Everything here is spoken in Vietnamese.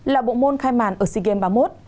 là bộ môn khai màn ở sea games ba mươi một